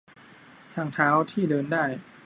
- ทางเท้าที่เดินได้